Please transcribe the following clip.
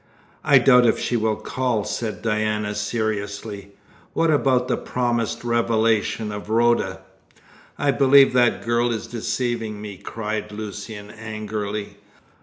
"I doubt if she will call," said Diana seriously. "What about the promised revelation of Rhoda?" "I believe that girl is deceiving me," cried Lucian angrily.